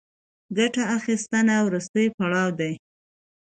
ګټه اخیستنه وروستی پړاو دی